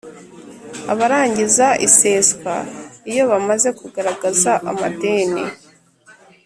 Abarangiza iseswa iyo bamaze kugaragaza amadeni